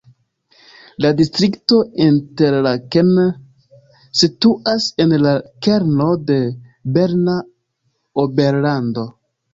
La distrikto Interlaken situas en la kerno de Berna Oberlando.